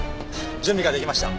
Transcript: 準備が出来ました。